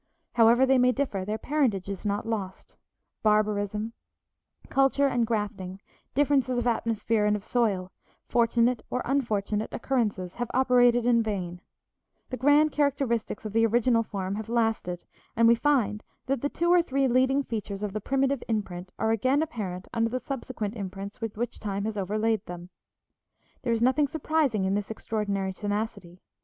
However they may differ, their parentage is not lost; barbarism, culture and grafting, differences of atmosphere and of soil, fortunate or unfortunate occurrences, have operated in vain; the grand characteristics of the original form have lasted, and we find that the two or three leading features of the primitive imprint are again apparent under the subsequent imprints with which time has overlaid them. There is nothing surprising in this extraordinary tenacity.